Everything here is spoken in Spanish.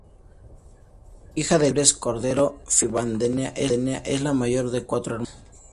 Hija de León Febres-Cordero Ribadeneyra, es la mayor de cuatro hermanas.